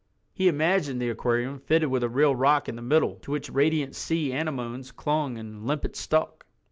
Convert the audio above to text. He imagined the aquarium fitted with a real rock in the middle, to which radiant sea anemones clung and limpets stuck.